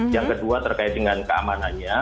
yang kedua terkait dengan keamanannya